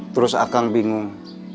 terus akang bingung